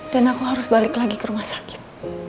dan aku harus balik lagi ke rumah sakit